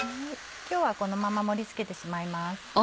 今日はこのまま盛り付けてしまいます。